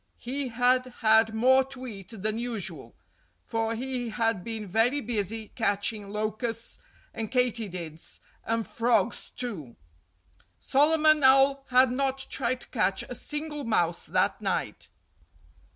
He had had more to eat than usual; for he had been very busy catching locusts and katydids—and frogs, too. Solomon Owl had not tried to catch a single mouse that night.